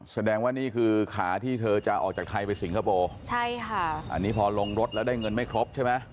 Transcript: แสดงว่านี่คือขาที่เธอจะออกจากไทยไปสิงคโปร์ใช่ค่ะอันนี้พอลงรถแล้วได้เงินไม่ครบใช่ไหม